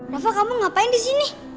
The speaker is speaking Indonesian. rafa kamu ngapain disini